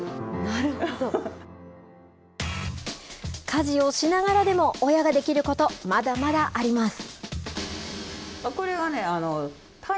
家事をしながらでも親ができること、まだまだあります。